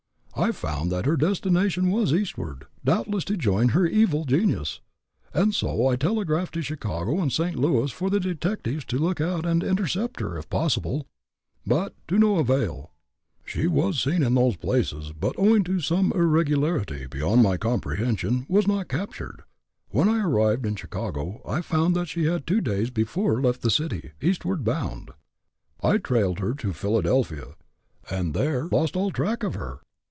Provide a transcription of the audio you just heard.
I found that her destination was Eastward doubtless to join her evil genius and so I telegraphed to Chicago and St. Louis for the detectives to look out, and intercept her, if possible. But all to no avail. She was seen in those places, but owing to some irregularity beyond my comprehension, was not captured. When I arrived in Chicago, I found that she had two days before left the city, Eastward bound. I trailed her to Philadelphia, and there lost all track of her.